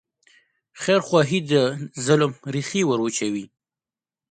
خیرخواهي د ظلم ریښې وروچوي.